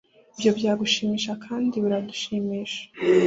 Ibyo byagushimishije kandi biradushimisha